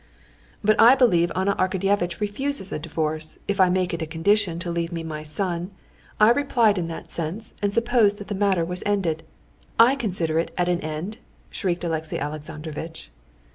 "But I believe Anna Arkadyevna refuses a divorce, if I make it a condition to leave me my son. I replied in that sense, and supposed that the matter was ended. I consider it at an end," shrieked Alexey Alexandrovitch.